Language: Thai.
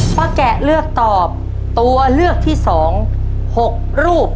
แกะเลือกตอบตัวเลือกที่๒๖รูป